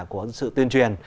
của sự tuyên truyền